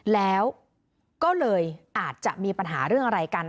แล้วก็เลยอาจจะมีปัญหาเรื่องอะไรกัน